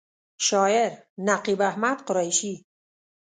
شاعر: نقیب احمد قریشي